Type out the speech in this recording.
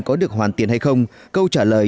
có được hoàn tiền hay không câu trả lời